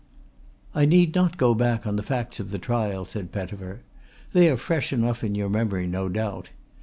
"I need not go back on the facts of the trial," said Pettifer. "They are fresh enough in your memory, no doubt.